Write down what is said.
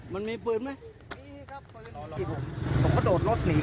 มันมีปืนไหม